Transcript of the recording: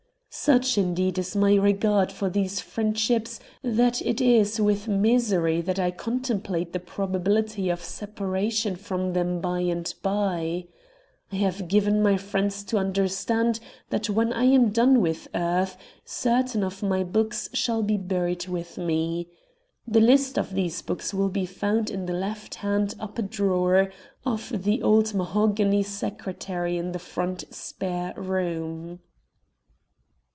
Such, indeed, is my regard for these friendships that it is with misery that I contemplate the probability of separation from them by and by. I have given my friends to understand that when I am done with earth certain of my books shall be buried with me. The list of these books will be found in the left hand upper drawer of the old mahogany secretary in the front spare room.